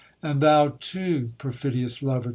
And thou too, perfidious lover